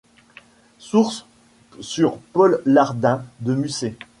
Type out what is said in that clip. Sources sur Paul Lardin de Musset.